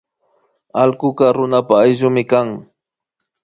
Allkuka runapa ayllumi kan